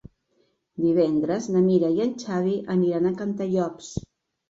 Divendres na Mira i en Xavi aniran a Cantallops.